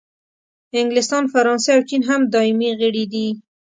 انګلستان، فرانسې او چین هم دایمي غړي دي.